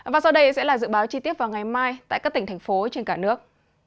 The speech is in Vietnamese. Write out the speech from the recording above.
và sau đây sẽ là dự báo chi tiết vào ngày mai tại các tỉnh thành phố trên cả nước